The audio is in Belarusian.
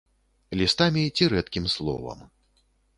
Лістамі ці рэдкім словам.